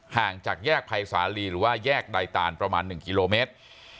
ห่างจากแยกภัยสาลีหรือว่าแยกใดตานประมาณ๑กิโลเมตร